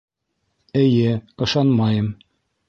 Эйе, ышанмайым.